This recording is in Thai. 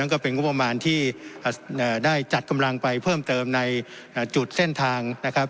ก็เป็นงบประมาณที่ได้จัดกำลังไปเพิ่มเติมในจุดเส้นทางนะครับ